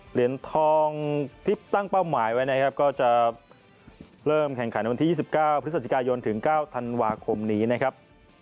เหรียญทองที่ตั้งเป้าหมายไว้นะครับก็จะเริ่มแข่งขันในวันที่๒๙พฤศจิกายนถึง๙ธันวาคมนี้นะครับ